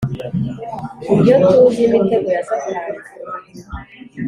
Iyo tuzi imitego ya Satani